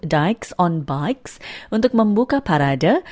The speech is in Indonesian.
dix on bikes untuk membuka parade